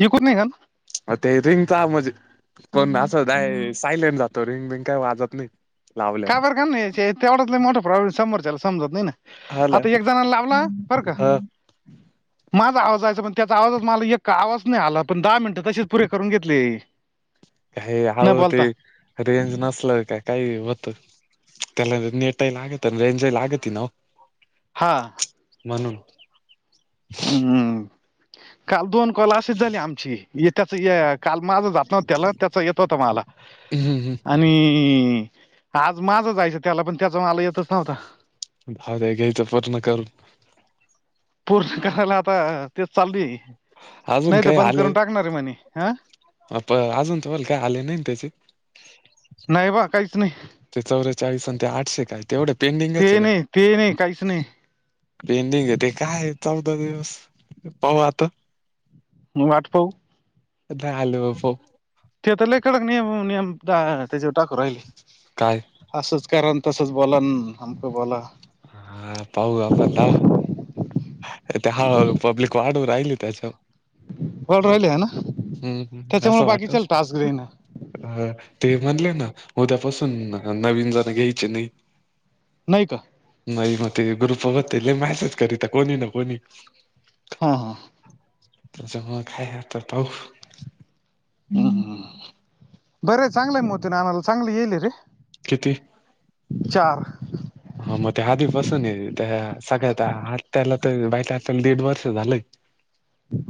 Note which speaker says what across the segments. Speaker 1: हे कोूठ नाही घन [unintelligible]
Speaker 2: म ते इंगचा मजा [unintelligible] पण असत हाय सायलेंट जातो, रिंगबिंग काय वाजत नाही.
Speaker 1: का
Speaker 2: लावल्यावर
Speaker 1: बरं काम ते आव [unintelligible] त मोठा प्रॉब्म समोरला समजत नाही ना.
Speaker 2: हला
Speaker 1: आता एक जणाला लावला,, बर का.
Speaker 2: ह
Speaker 1: माझा आवाजा यायचा पण त्याचा आवाज मला आवाजच नाही आला, पण दहा मिनिटं तशीच पुरे करून घेतले.
Speaker 2: हे
Speaker 1: न
Speaker 2: हव ते
Speaker 1: बोलता
Speaker 2: रेंज नसलं काय काही होतं,, त्याला नेटही लागतं रेंजही लागती ना वो.
Speaker 1: हां.
Speaker 2: म्हणून.
Speaker 1: हम्म,, काल दोन कॉला आशेच झाले आमचे,, इतच य काल माझं जात नव्हतं त्याला येत होतं मला,
Speaker 2: हम्म
Speaker 1: आणि हम्म, आज माझं जायचं त्याला पण त्याचा मला येतच नव्हता.
Speaker 2: भागाय ग्यायचं पुर्ण करून
Speaker 1: पूर्ण करायला आता, तेच चालू ये,
Speaker 2: अजून
Speaker 1: नाही तर बंद करून टाकणार आहे म्हणे,, हं.
Speaker 2: प अजून तुम्हाला काय आले नाही न त्याचे?
Speaker 1: नाही बा काहीच नाही
Speaker 2: ते चौरेचाळीस आन ते आठशे काय,, तेवढं पेंडिंगच
Speaker 1: ते
Speaker 2: आहे का?
Speaker 1: नाही ते नाही काहीच नाही
Speaker 2: पेंडिंग आहे ते काय चौदा दिवस,, पाहू आता.
Speaker 1: म वाट पाहु
Speaker 2: ते काय आल्यावर पाहु.
Speaker 1: ते तर लैय कडक नियम, नियम त्याच्यावर टाकू राहिले.
Speaker 2: काय?
Speaker 1: असंच करा, तसंच बोलावं अंन् अमकं बोला.
Speaker 2: हा पाहु आपणं ता आरे ते हळू-हळू पब्लिक वाढू राहिली त्यांच्यावर
Speaker 1: वाढु राहिले हे ना.
Speaker 2: हम्म हम्
Speaker 1: त्याच्यामुळे
Speaker 2: असं वाटस.
Speaker 1: बाकीच्याला टास्क देईना
Speaker 2: अ ते म्हणले ना उद्यापासून नवीन जण घ्यायचे नाही.
Speaker 1: नाही का?
Speaker 2: नाही म ते ग्रुपवर ते लई मॅसेज करीत्या कोणी ना कोणी
Speaker 1: हा -हां.
Speaker 2: त्यांच्यामुळे काय आता पाहु
Speaker 1: हम्, बरं चांगलंय आहे मोती नानाला चांगली येल ये रे.
Speaker 2: किती?
Speaker 1: चार
Speaker 2: हा मग ते आधीपासून ये रे त्या सगळ्यात त्या आत्त्याला तर आत्त्याला दीड वर्ष झालं.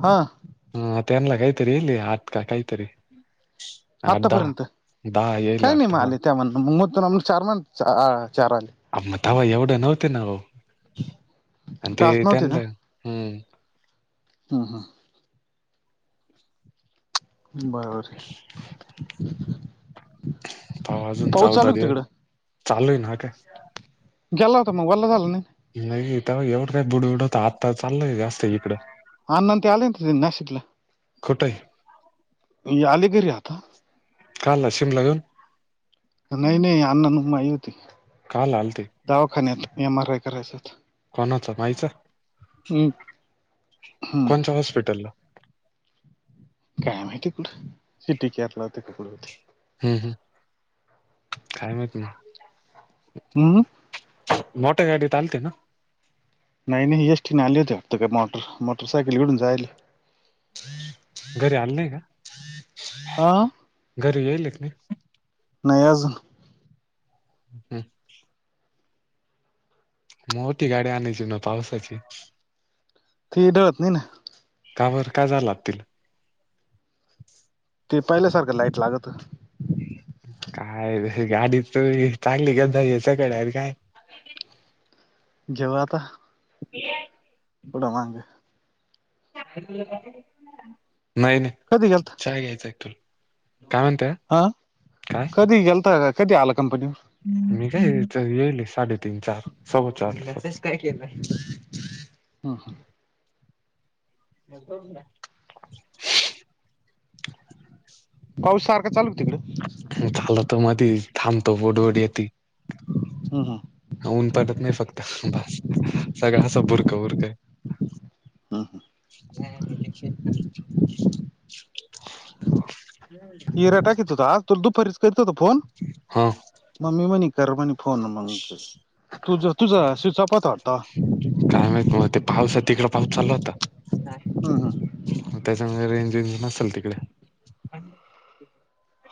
Speaker 1: हा.
Speaker 2: आ त्यांनला कायतरी ईलं ये आठ का कायतरी आठ-दहा,
Speaker 1: आतापर्यंत
Speaker 2: दाहा येईल
Speaker 1: काय नाही
Speaker 2: वाटत
Speaker 1: मग
Speaker 2: ना
Speaker 1: आले त्या म्हणलं मं मोतीराम चार म्हण अं चार, चार आले.
Speaker 2: अ मं तव्हा एवढे नव्हते ना वो आणि ते
Speaker 1: टास्क नव्हते
Speaker 2: त्यांनला, हम्
Speaker 1: हं- हां. बरं,
Speaker 2: पाहू अजून
Speaker 1: पाऊस
Speaker 2: चौदा
Speaker 1: चालू का
Speaker 2: दिव,
Speaker 1: तिकडं
Speaker 2: चालूय ना हा काय
Speaker 1: गेला होता मग वल्ला झालं नाही.?
Speaker 2: नाही तेव्हा एवढं काय बुड- बुड व्हंत आता चाललंय जास्त इकडं.
Speaker 1: अण्णा ते आले होते ते नाशिकला,
Speaker 2: कुठंय
Speaker 1: ये आले घरी आता.
Speaker 2: काला शीमला घेऊन?
Speaker 1: नाही-नाही अण्णा अन् माई होती.
Speaker 2: काला आलंते?
Speaker 1: दावाखान्यात एम आर, आय, करायं साठी.
Speaker 2: कोणाचा माई चा,
Speaker 1: हम्म हम्म
Speaker 2: कोणच्या हॉस्पिटलला?
Speaker 1: काय माहिती कुडं, सी. टी केअर ला होते कुडं होते.
Speaker 2: हम्म -हम्, काय माहिती म?
Speaker 1: हम्म
Speaker 2: मोठ्या गाडीत आलते ना?
Speaker 1: नाही- नाही एस टी नं आले होते वाटतं क काय, मोटर- मोटरसायकल घेऊन जायेल ये.
Speaker 2: घरी आले नाही का
Speaker 1: आ,
Speaker 2: घरी येलं ये का नही?
Speaker 1: नाही अजून.
Speaker 2: हम्म, मोठी गाडी आणायची ना पावसाची.
Speaker 1: ती ढळत नाही ना.
Speaker 2: का बरं काय झालं आता तीला?
Speaker 1: ते पहिल्यासारखं लाईट लागतं.
Speaker 2: काय गाडी त चांगली घेवून जा याच्याकडे आहेत काय?
Speaker 1: जेवला आता.
Speaker 2: ह [unintelligible]
Speaker 1: उठ मांग.
Speaker 2: नाही नाही,
Speaker 1: कधी गेलता
Speaker 2: च्या घ्यायचाय तुला, काय म्हणताय?
Speaker 1: आं. कधी गेलता का, कधी आला कंपनीवर?
Speaker 2: मी काय येले साडे तीन चार, सवा चार ला, मॅसेज काय केलाय?
Speaker 1: हा हा.
Speaker 2: आता उठला?
Speaker 1: पाऊस सारखं चालू ये तिकड.
Speaker 2: झाला तो मधीच थांबतो. बड बड येती.
Speaker 1: हू हू.
Speaker 2: ऊन पडत नाही फक्त बास, सगळं असं बुरकं उरक.
Speaker 1: हम्म हम्म.
Speaker 2: हजे [unintelligible]
Speaker 1: ईरा टाकीत होता. तुला दुपारीच करीत होतो फोन
Speaker 2: हां.
Speaker 1: मग ममी मणे कर म्हणे फोन मग, तुझ तुझा स्विच ऑफ होता वाटत.
Speaker 2: काय माहित मग ते. पाऊस आहे तिकड, पाऊस चालला होता.
Speaker 1: हम्म हम्म.
Speaker 2: तेच्यामूळ रेंज विंज नसल तिकडे.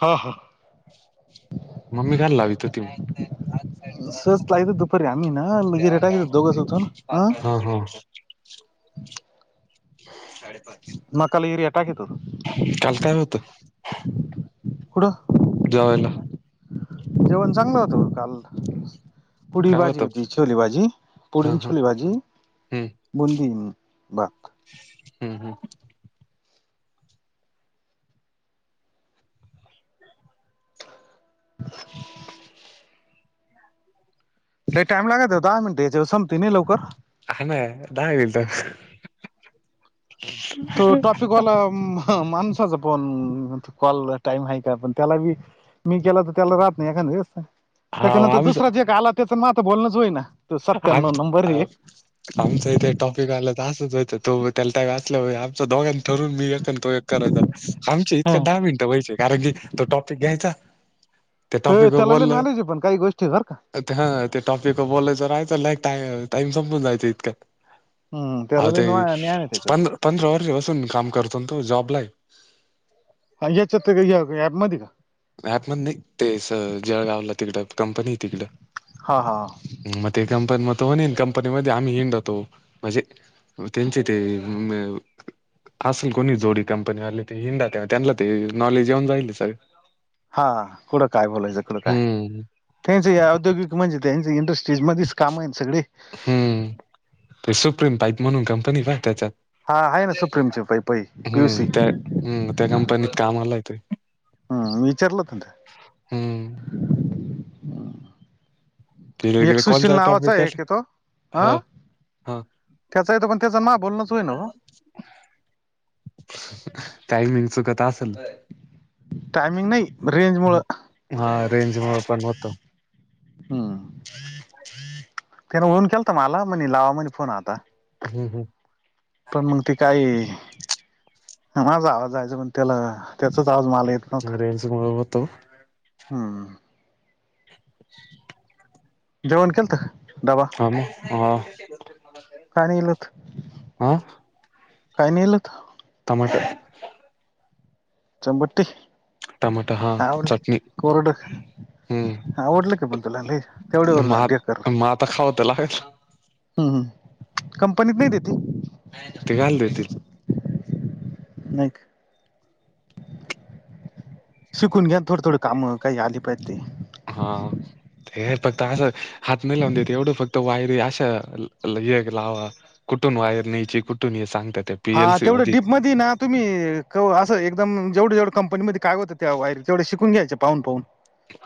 Speaker 1: हा हा.
Speaker 2: मम्मी काल लावीत होती म.
Speaker 1: सस लावीत होत दुपारी, आमि ना इरा टाकत होतो दोघस होतो.
Speaker 2: ह ह. साडे पाच
Speaker 1: मकाले येरीया टाकत होतो.
Speaker 2: काल काय होतं?
Speaker 1: कुडं?
Speaker 2: जेवायला.
Speaker 1: जेवण चांगलं होतं का काल? पुडी
Speaker 2: काय
Speaker 1: भाजी
Speaker 2: होतं
Speaker 1: होती. छोलेभाजी, पुडी
Speaker 2: हा
Speaker 1: न
Speaker 2: हा
Speaker 1: छोले भाजी. बुंदी बर.
Speaker 2: हू हू.
Speaker 1: [inaudible] लई टाइम लागत होता, दहा मिनटाच्या संपतय नाही लवकर.
Speaker 2: हा ना यार, धा मिनिटं.
Speaker 1: तो टॉपिक वाला म ह माणसाच पण कॉल, टाइम हाय का पण त्याला बी? मी केला तर त्याला राहत नाही, एकांद्रे व्यस्ता,
Speaker 2: हाव
Speaker 1: त्याच्यानंतर
Speaker 2: आमच
Speaker 1: दुसरा जे एक आला, त्याच माझं बोलणंच होई ना. तो सत्य्यानव नंबर एक
Speaker 2: आमचं इथे टॉपिक आला तर, असच होय तो त्यालता क असले व्याप. स्वतःहून काय दोघां ठरून, मी एक आणि तो एक करायचा. आमचे इतक्यात दहा मिनिटं व्हायचे, कारण की तो टॉपिक घ्यायचा त्या
Speaker 1: हू
Speaker 2: टॉपिक वर
Speaker 1: तेला लई
Speaker 2: बोललं
Speaker 1: नॉलेज पण ये काही गोष्टी बर का?
Speaker 2: हा ते टॉपिक बोलायचं राहायचं, लाक टाइम संपून जायचं इतक्यात.
Speaker 1: हम्म
Speaker 2: आव
Speaker 1: त्याला लय
Speaker 2: ते
Speaker 1: न्याय आहे त्याच्यात
Speaker 2: प पंधरा वर्षपासून काम करतो ना तो जॉब ला ये.
Speaker 1: [unintelligible] या ऍप मधी.
Speaker 2: मॅप मध्ये नई, ते स जळगावला तिकडं कंपनी ये तिकडं.
Speaker 1: हा हा
Speaker 2: म ते कंपनी म त होणे कंपनी मध्ये आम्ही हिंडतो, म्हजे त्यांचे ते म असेल कोणी जोडी कंपनीवाले ते हिंडा त्यांनाला ते नॉलेज येऊन जाईल सगल
Speaker 1: हा कुढं काय बोलायचं कुढं काय,
Speaker 2: हम्म
Speaker 1: त्यांच औद्योगिक म्हणजे त्यांच इंडस्ट स्टेज मध्येच काम आहे ना सगळी.
Speaker 2: हम्म ते सुप्रीम पाईप म्हणून कंपनी हाय त्याच्यात.
Speaker 1: हा आहे ना सुप्रीमचे पै पै पीयूसी
Speaker 2: हम्म त्या हम्म त्या कंपनीत कामला हाय ते.
Speaker 1: हम् विचारलत
Speaker 2: हम्म. तिकडे
Speaker 1: एक
Speaker 2: गेले
Speaker 1: सशील
Speaker 2: कोणता
Speaker 1: नावाच
Speaker 2: टॉपिक
Speaker 1: आहे क तो,
Speaker 2: हा
Speaker 1: हं?
Speaker 2: हा
Speaker 1: त्याचा येतो पण त्याचं मा बोलणंच होईना वो.
Speaker 2: टायमिंग चुकत असल.
Speaker 1: टायमिंग नाही, रेंज मुळं.
Speaker 2: हा रेंज मुळ पण होत
Speaker 1: त्यान उन केलंता मला म्हणे लावा म्हणे फोन आता.
Speaker 2: हम् हम्.
Speaker 1: पण मग ते काय, माझा आवाज जायच पण त्याला त्याचाच आवाज माला येत नव्हता
Speaker 2: रेंज मुळ होतो.
Speaker 1: हम्म.
Speaker 2: [inaudible]
Speaker 1: जेवण केलंत, डबा
Speaker 2: हा म, हा.
Speaker 1: काय नेलत?
Speaker 2: हा
Speaker 1: काय नेलत?
Speaker 2: टमाटर.
Speaker 1: चंबटी?
Speaker 2: टमाट हा
Speaker 1: नाय
Speaker 2: चटणी
Speaker 1: आवडत, कोरड.
Speaker 2: हम्म
Speaker 1: आवडलं का पण तुला लय? तेवढ्यावर देकर
Speaker 2: म आता खाव तर लागण.
Speaker 1: हम् हम्, कंपनीत नाही देते?
Speaker 2: ते घाल देतील?
Speaker 1: नाही का? शिकून घ्या थोड थोड काम काही आली पाहिज ती.
Speaker 2: हा. हे फक्त असं हात नाही लावून देत एवढं फक्त वायरी असं हे लावा कुठून वायर न्यायची, कुठून ये सांगतात ते
Speaker 1: हा तेवढं डीप मध्ये ना तुम्ही कव असं एकदम जेवढ जेवढ कंपनीमध्ये काय होतं त्या वायर तेवढे शिकून घ्यायचे पाहून पाहून.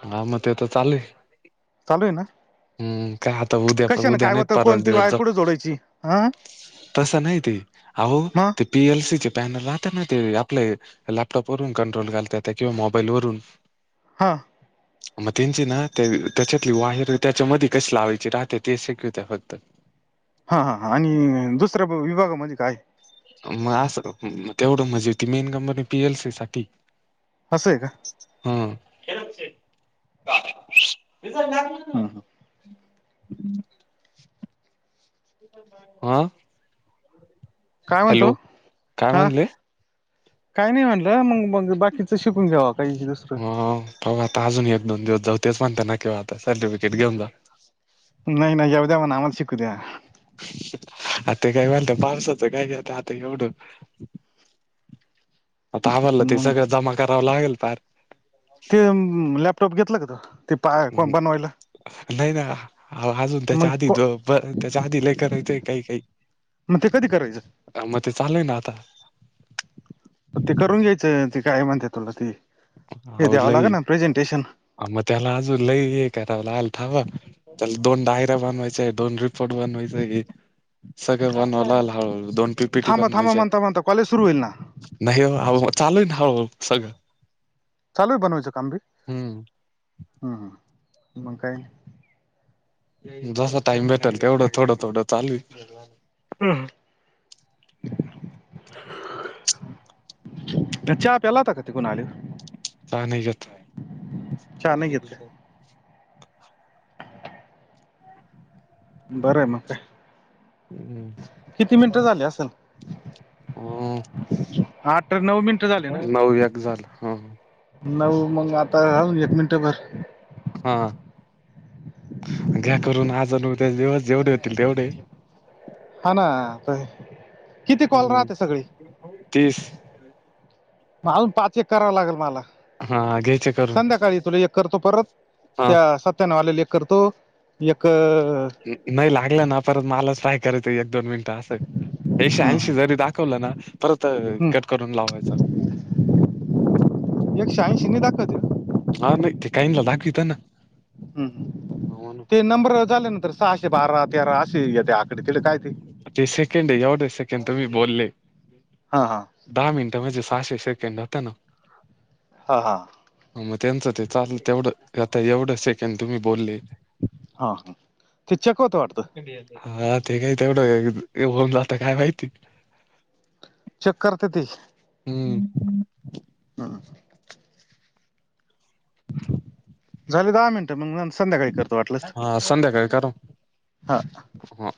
Speaker 2: हा म ते त चालेय.
Speaker 1: चालू ये ना?
Speaker 2: हम्म काय आता उद्याच
Speaker 1: कशा ना
Speaker 2: उद्या
Speaker 1: काय
Speaker 2: नाहीत
Speaker 1: होतं
Speaker 2: परावाचा
Speaker 1: कोणती
Speaker 2: दिवस
Speaker 1: वायर कुठे जोडायची हा
Speaker 2: जाऊ तस नाही ते आहो
Speaker 1: मग
Speaker 2: ते पी एल सी चे पॅनल राहता ना ते आपले लॅपटॉप वरून कंट्रोल घालता त्या किंवा मोबाईल वरून
Speaker 1: हा.
Speaker 2: म तेंची ना त्याच्यातली वायर त्याच्यामध्ये कशी लावायचे राहते तें शिकिवता फक्त.
Speaker 1: हा हां ह, आणि दुसरा विभागा मध्ये काय?
Speaker 2: मग असं का, तेवढं मजी ती main company P L C साठी
Speaker 1: आसं आहे का?
Speaker 2: हम. [inaudible]
Speaker 1: हम.
Speaker 2: [inaudible] अं.
Speaker 1: काय म्हणतो?
Speaker 2: काय
Speaker 1: हा.
Speaker 2: म्हणले
Speaker 1: काही नाही म्हणलं. मग - मग बाकीच शिकून घ्यावा. काही दुसरं
Speaker 2: बघू आता अजून एक - दोन दिवस जाऊ. तेच पण त्याच म्हणत्या ना की, आता सर्टिफिकेट घेऊन जा.
Speaker 1: नाही - नाही येऊ दया. मना आमाला शिकू दया.
Speaker 2: आ ते काय मणत, पावसाचं काय करायचं? आता एवढं
Speaker 1: [inaudible]
Speaker 2: आता आमाला ते
Speaker 1: मग
Speaker 2: सगळं, जमा करावं लागेल. पार
Speaker 1: ते म लॅपटॉप घेतलं का? त ते पा बनवायला.
Speaker 2: नाही ना. अजून त्याच्या
Speaker 1: मग
Speaker 2: आधी
Speaker 1: को
Speaker 2: जो प, त्याच्या आधी लय करायचय. काही-काही
Speaker 1: मग ते कधी करायचं?
Speaker 2: मग ते, चालय ना आता.
Speaker 1: ते करून घ्यायचं. ते काय म्हणते तुला ती. हे द्यावं लागना. प्रेझेंटेशन.
Speaker 2: आ म त्याला आजून लई, हे काराव लागल थांबा. त्याला दोन डायरा बनवायचाय, दोन रिपोर्ट बनवायचां. सगळे बनवलाल हळू -हळू, दोन पी
Speaker 1: थांबा - थांबा, म्हणता - म्हणता, कॉलेज सुरू होईल ना?
Speaker 2: नाही हो. आवं म चालुय न, हळू -हळू सगळ.
Speaker 1: चालूय बनवायचं काम बी?
Speaker 2: हम्म
Speaker 1: हं, मग काय?
Speaker 2: जसा टाइम भेटेल, तेवढं. थोडं - थोडं चालूय.
Speaker 1: काय
Speaker 2: [inaudible]
Speaker 1: चहा प्याला होता का तिकून आलेवर?
Speaker 2: चहा नाही घेत.
Speaker 1: नाही घेत का बरं मग, काय?
Speaker 2: हम्.
Speaker 1: किती मिनिटं झाले
Speaker 2: [unintelligible]
Speaker 1: असेल
Speaker 2: हम.
Speaker 1: हा तर नऊ मिनिट
Speaker 2: नऊ याक झालं. ह.
Speaker 1: नऊ, मग आता राऊ एक मिनिटंभर
Speaker 2: हा. घ्या करून आज अन् उद्याच दिवस, जेवढे होतील तेवढे.
Speaker 1: हा ना. किती कॉल
Speaker 2: हम्म
Speaker 1: राहते, सगळी?
Speaker 2: तीस
Speaker 1: म आजून पाच- एक करावा लागेल मला,
Speaker 2: हा घ्यायचे करून
Speaker 1: संध्याकाळी तुला एक करतो परत.
Speaker 2: हा
Speaker 1: त्या, सत्यानव आलेले एक करतो, एक
Speaker 2: नाही लागलं ना, परत मलाच काय करायचं एक - दोन मिनिटं असं, एकशे ऐंशी जरी दाख वलं ना, परत
Speaker 1: हम्म
Speaker 2: कट करून लावायचा.
Speaker 1: एकशे ऐंशी नाही दाखवते.
Speaker 2: हा, नाही ते काहीनला दाखवित ना.
Speaker 1: ह ह,
Speaker 2: म्हणून
Speaker 1: ते नंबर झाल्या नंतर सहाशे बारा- तेरा असे ते आकडी, तिडे काय ते?
Speaker 2: ते सेकंड, एवढे सेकंड तुमी बोलले.
Speaker 1: हा हा
Speaker 2: दहा मिनटे म्हणजे, सहाशे सेकंड होता ना.
Speaker 1: ह, हां.
Speaker 2: मग त्यांचं ते चाललं, तेवढं, आता एवढं सेकंड तुम्ही बोलले
Speaker 1: हा, हा. ते चेक होत वाटतं.
Speaker 2: हा, ते काही तेवढं होऊन जातं काय माहिती.
Speaker 1: चेक करत्याती.
Speaker 2: हम्म.
Speaker 1: हम्म
Speaker 2: [unintelligible]
Speaker 1: झाले दहा मिनिट मग संध्याकाळी करतो वाटलस
Speaker 2: हा संध्याकाळी करा
Speaker 1: हा.
Speaker 2: हा